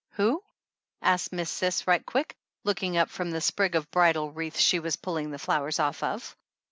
"Who?" asked Miss Cis right quick, looking up from the sprig of bridal wreath she was pull ing the flowers off of.